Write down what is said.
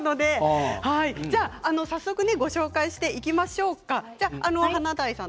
早速ご紹介していきましょうか。